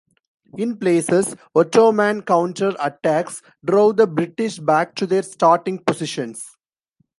In places, Ottoman counter-attacks drove the British back to their starting positions.